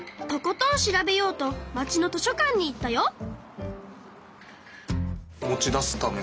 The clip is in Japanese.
とことん調べようと町の図書館に行ったよ。